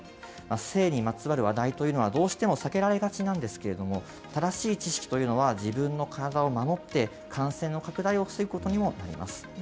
性にまつわる話題というのは、どうしても避けられがちなんですけれども、正しい知識というのは、自分の体を守って、感染の拡大を防ぐことにもなります。